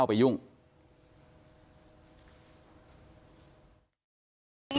มันนี่เอากุญแจมาล้อมมันนี่อ่ะ